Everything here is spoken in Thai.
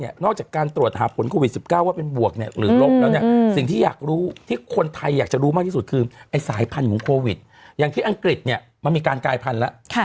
ไอ้สายพันธุ์ของโควิดอย่างที่อังกฤษเนี่ยมันมีการกลายพันธุ์แล้ว